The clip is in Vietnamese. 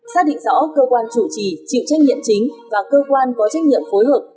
xác định rõ cơ quan chủ trì chịu trách nhiệm chính và cơ quan có trách nhiệm phối hợp